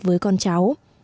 với con cháu